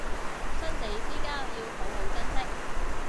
生死之交要好好珍惜